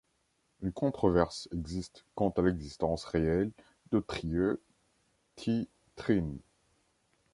Une controverse existe quant à l'existence réelle de Triệu Thị Trinh.